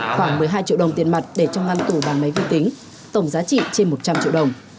khoảng một mươi hai triệu đồng tiền mặt để cho ngăn tủ bàn máy vi tính tổng giá trị trên một trăm linh triệu đồng